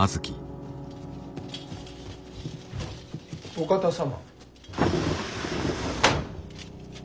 ・お方様。